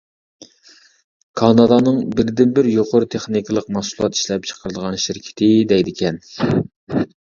كانادانىڭ بىردىنبىر يۇقىرى تېخنىكىلىق مەھسۇلات ئىشلەپچىقىرىدىغان شىركىتى دەيدىكەن.